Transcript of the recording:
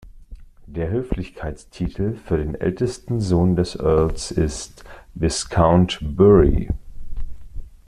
Der Höflichkeitstitel für den ältesten Sohn des Earls ist "Viscount Bury".